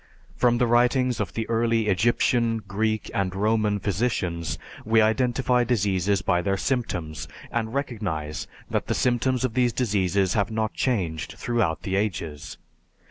From the writings of the early Egyptian, Greek, and Roman physicians we identify diseases by their symptoms, and recognize that the symptoms of these diseases have not changed throughout the ages.